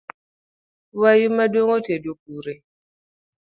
Wayu maduong’ otedo kure?